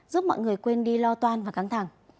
giúp mọi người quên đi lo toan và căng thẳng